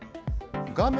画面